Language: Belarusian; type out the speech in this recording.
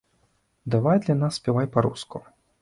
Давай для нас спявай па-руску.